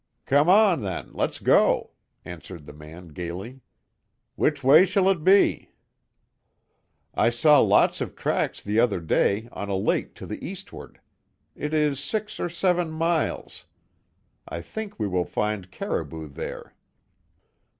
"Come on, then, let's go," answered the man gaily. "Which way shall it be?" "I saw lots of tracks the other day on a lake to the eastward. It is six or seven miles. I think we will find caribou there."